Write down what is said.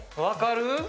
分かる？